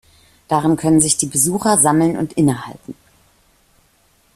Darin können sich die Besucher sammeln und innehalten.